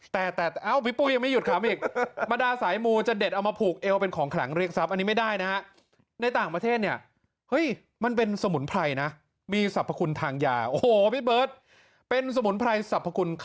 แต่ไม่หยุดคำอีกมะด่าสายหมู